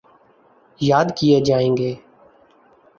یاد کیے جائیں گے۔